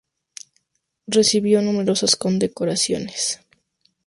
Recibió numerosas condecoraciones.